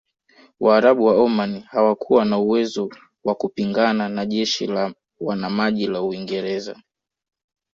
Waarabu wa Omani hawakuwa na uwezo wa kupingana na jeshi la wanamaji la Uingereza